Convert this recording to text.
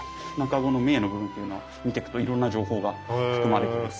茎の銘の部分というのは見てくといろんな情報が含まれている。